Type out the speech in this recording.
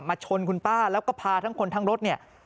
ชนคุณป้าแล้วก็พาทั้งคนทั้งรถเนี่ย